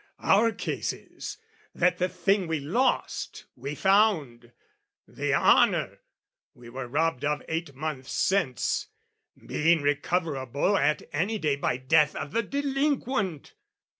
Our case is, that the thing we lost, we found: The honour, we were robbed of eight months since, Being recoverable at any day By death of the delinquent.